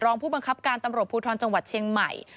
รองผู้บังคับการตำรวจภูทรจังหวัดเชียงใหม่